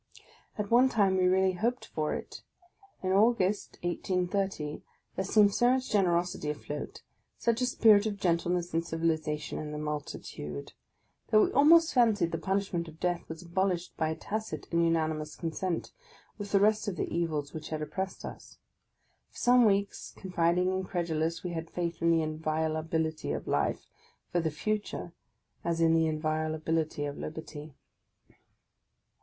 At one time we really hoped for it. In August, 1830, there seemed so much generosity afloat, such a spirit of gentleness and civilization in the multitude, that we almost fancied the punishment of death was abolished, by a tacit and unanimous consent, with the rest of the evils which had oppressed us. For some weeks confiding and credulous, we had faith in the inviolability of life, for the future, as in the inviolability of liberty.